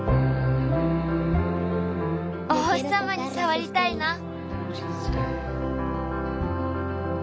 お星さまにさわりたいな。